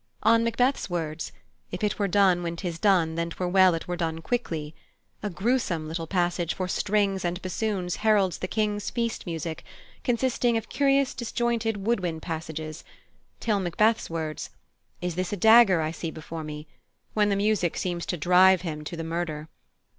On Macbeth's words, "If it were done when 'tis done, then 'twere well It were done quickly," a gruesome little passage for strings and bassoons heralds the King's feast music, consisting of curious disjointed wood wind passages, till Macbeth's words, "Is this a dagger which I see before me?", when the music seems to drive him to the murder.